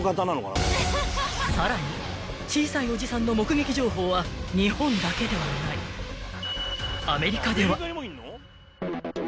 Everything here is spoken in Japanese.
［さらに小さいおじさんの目撃情報は日本だけではない］［アメリカでは］